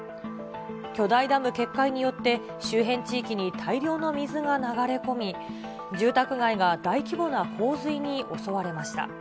巨大ダム決壊によって、周辺地域に大量の水が流れ込み、住宅街が大規模な洪水に襲われました。